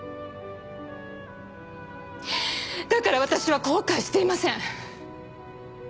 だから私は後悔していません。